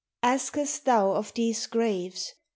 Askest thou of these graves?